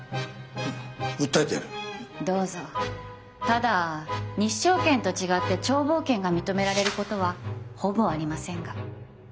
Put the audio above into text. ただ日照権と違って眺望権が認められることはほぼありませんが。